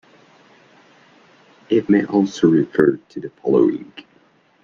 It may also refer to the following.